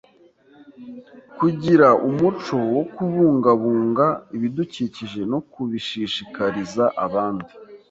Kugira umuco wo kubungabunga ibidukikije no kubishishikariza abandi.